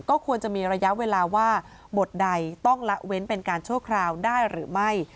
ควรจะมีระยะเวลาว่าบทใดต้องละเว้นเป็นการชั่วคราวได้หรือไม่